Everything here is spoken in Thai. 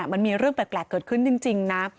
มันมีเรื่องแปลกเกิดขึ้นจริงนะ